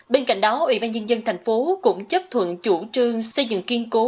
bên cạnh đó ủy ban nhân dân thành phố cũng chấp thuận chủ trương xây dựng kiên cố